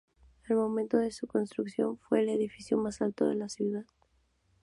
Al momento de su construcción fue el edificio más alto de la ciudad.